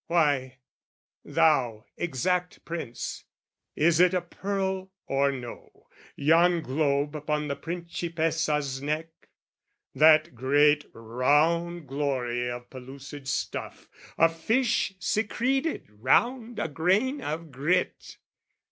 Why, thou exact Prince, is it a pearl or no, Yon globe upon the Principessa's neck? That great round glory of pellucid stuff, A fish secreted round a grain of grit!